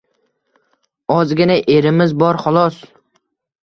Ozgina erimiz bor, xolos